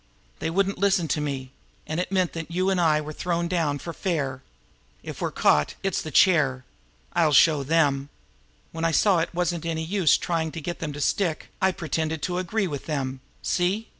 They wouldn't listen to me and it meant that you and I were thrown down for fair. If we're caught, it's the chair. I'll show them! When I saw it wasn't any use trying to get them to stick, I pretended to agree with them. See?